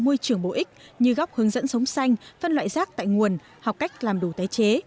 môi trường bổ ích như góc hướng dẫn sống xanh phân loại rác tại nguồn học cách làm đồ tái chế